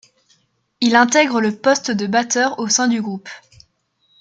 Il intègre le poste de batteur au sein du groupe.